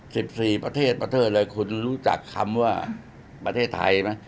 สิบสี่ประเทศประเทศเลยคุณรู้จักคำว่าประเทศไทยไหม